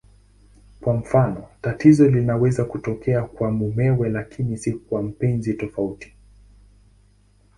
Kwa mfano, tatizo linaweza kutokea kwa mumewe lakini si kwa mpenzi tofauti.